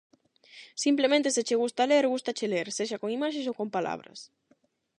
Simplemente se che gusta ler, gústache ler, sexa con imaxes ou con palabras.